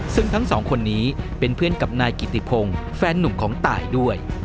ซึ่งทั้งสองคนนี้เป็นเพื่อนกับนายกิติพงศ์แฟนนุ่มของตายด้วย